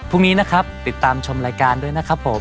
พรุ่งนี้นะครับติดตามชมรายการด้วยนะครับผม